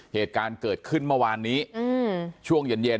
เหตุการณ์เกิดขึ้นเมื่อวานนี้ช่วงเย็น